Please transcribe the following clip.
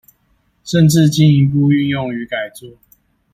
甚至進一步運用與改作